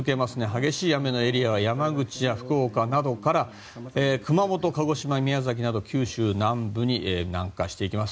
激しい雨のエリアが山口、福岡などから熊本、鹿児島、宮崎など九州南部に南下していきます。